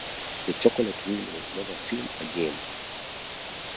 The chocolate wheel was never seen again.